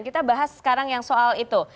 kita bahas sekarang yang soal itu